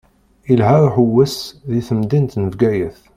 Ilha uḥewwes di temdint n Bgayet.